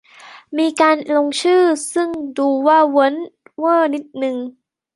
มีการลงชื่อ ซึ่งดูว่าเวิ่นเว้อนิดหนึ่ง